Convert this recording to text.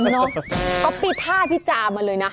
เนอะเขาปิดท่าพี่จามันเลยนะ